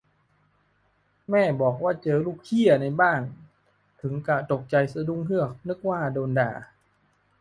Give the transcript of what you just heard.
"แม่บอกว่าเจอลูกเหี้ยในบ้าน ถึงกะตกใจสะดุ้งเฮือก นึกว่าโดนด่า"